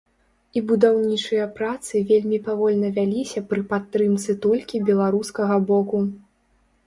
І будаўнічыя працы вельмі павольна вяліся пры падтрымцы толькі беларускага боку.